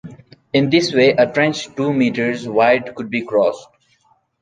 In this way a trench two metres wide could be crossed.